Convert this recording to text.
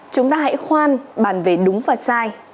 chúng ta hãy khoan bàn về đúng và sai